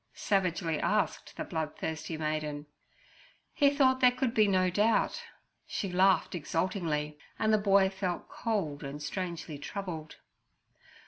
savagely asked the bloodthirsty maiden. He thought there could be no doubt. She laughed exultingly, and the boy felt cold and strangely troubled.